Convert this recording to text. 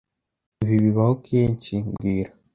Ibi bibaho kenshi mbwira